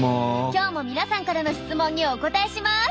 今日も皆さんからの質問にお答えします。